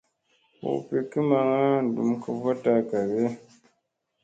Hu pikki maŋga ɗum kofoɗta gage ?